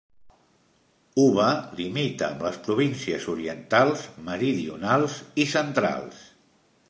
Uva limita amb les províncies orientals, meridionals i centrals.